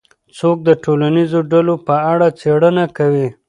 څوک د ټولنیزو ډلو په اړه څېړنه کوي؟